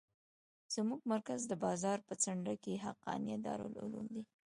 زموږ مرکز د بازار په څنډه کښې حقانيه دارالعلوم دى.